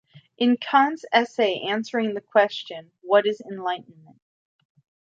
In Kant's essay Answering the Question: What is Enlightenment?